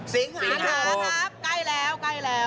สิงหาคมครับใกล้แล้ว